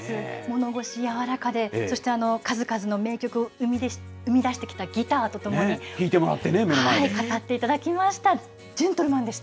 物腰やわらかで、そして数々の名曲を生み出してきたギターととも弾いてもらってね、目の前で。